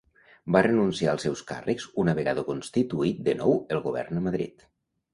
Va renunciar als seus càrrecs una vegada constituït de nou el govern a Madrid.